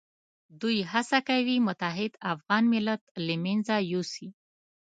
دوی هڅه کوي متحد افغان ملت له منځه یوسي.